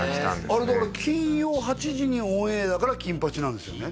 あれだから金曜８時にオンエアだから金八なんですよね？